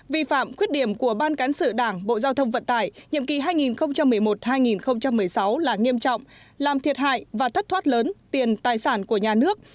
vi phạm khuyết điểm của ban cán sự đảng bộ giao thông vận tải nhiệm kỳ hai nghìn một mươi một hai nghìn một mươi sáu là nghiêm trọng làm thiệt hại và thất thoát lớn tiền tài sản của nhà nước